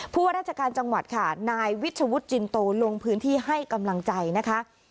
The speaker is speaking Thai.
ว่าราชการจังหวัดค่ะนายวิชวุฒิจินโตลงพื้นที่ให้กำลังใจนะคะ